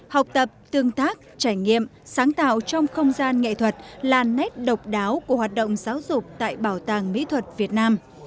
học tập tương tác trải nghiệm sáng tạo trong không gian nghệ thuật là nét độc đáo của hoạt động giáo dục tại bảo tàng mỹ thuật việt nam